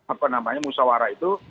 apa namanya musawarah itu